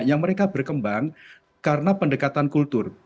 yang mereka berkembang karena pendekatan kultur